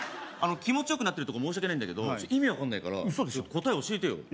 気持ちよくなってるとこ申し訳ないんだけど意味分かんないから答え教えてよ嘘でしょ？